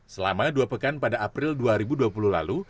selama dua pekan pada april dua ribu dua puluh lalu